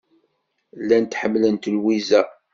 Llant ḥemmlent Lwiza.